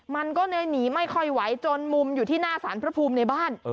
มันก็เลยหนีไม่ค่อยไหวจนมุมอยู่ที่หน้าสารพระภูมิในบ้าน